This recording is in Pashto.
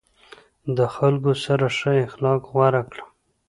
د خلکو سره ښه اخلاق غوره کړه.